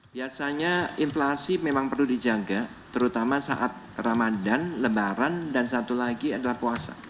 biasanya inflasi memang perlu dijaga terutama saat ramadan lebaran dan satu lagi adalah puasa